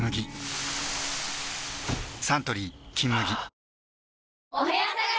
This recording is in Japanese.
サントリー「金麦」